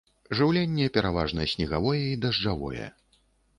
Жыўленне пераважна снегавое і дажджавое.